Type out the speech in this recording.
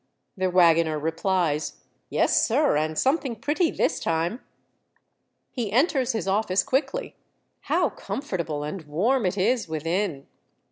The wagoner replies, —Yes, sir, and something pretty this time." He enters his office quickly. How comfortable and warm it is within